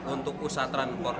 untuk pusat transportasi